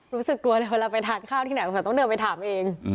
รู้สึกกลัวเลยเวลาไปทานข้าวที่ไหนอุตส่าห์ต้องเดินไปถามเอง